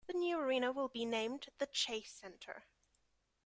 The new arena will be named the Chase Center.